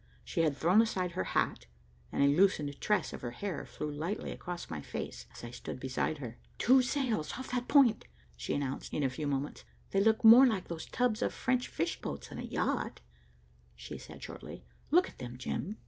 She had thrown aside her hat, and a loosened tress of her hair flew lightly across my face as I stood beside her. "Two sails off that point," she announced, in a few moments. "They look more like those tubs of French fishing boats than a yacht," she said shortly. "Look at them, Jim."